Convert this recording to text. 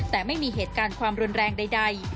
แต่ไม่มีเหตุการณ์ความรุนแรงใด